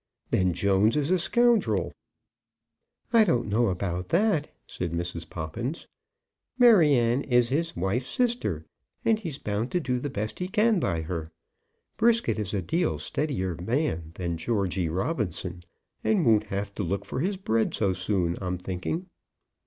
"Then Jones is a scoundrel." "I don't know about that," said Mrs. Poppins. "Maryanne is his wife's sister, and he's bound to do the best he can by her. Brisket is a deal steadier man than Georgy Robinson, and won't have to look for his bread so soon, I'm thinking."